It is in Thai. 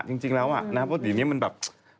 จริงแล้วอันนี้มันแบบ